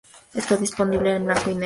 Está disponible en blanco y negro.